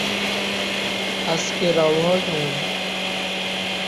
সেখানে ইংরেজিতে লিখতে হতো।